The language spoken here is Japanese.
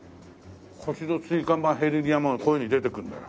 腰の椎間板ヘルニアもこういうふうに出てくるんだよ。